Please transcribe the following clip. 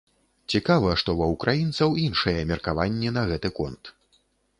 Цікава, што ва ўкраінцаў іншыя меркаванні на гэты конт.